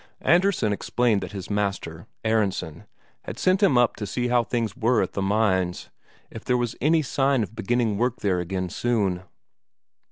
Andresen explained that his master, Aronsen, had sent him up to see how things were at the mines, if there was any sign of beginning work there again soon.